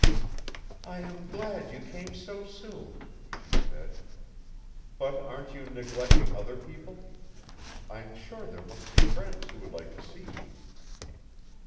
"I am glad you came so soon," she said; "but aren't you neglecting other people? I'm sure there must be friends who would like to see you."